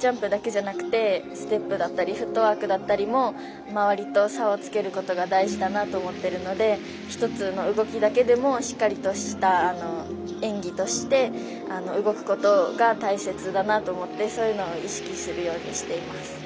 ジャンプだけじゃなくてステップだったりフットワークだったりも周りと差をつけることが大事だなと思っているので１つの動きだけでもしっかりとした演技として動くことが大切だなと思ってそういうのを意識するようにしています。